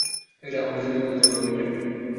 আমরা ছেলেকে খুঁজতে যাবো, মিডনাইট ব্রেড।